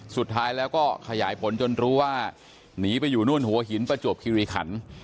สุดท้ายแล้วก็ขยายผลจนรู้ว่าหนีไปอยู่นู่นหัวหินประจวบคิริขัน